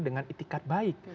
dengan itikat baik